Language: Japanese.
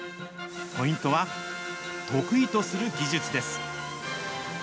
ポイントは、得意とする技術です。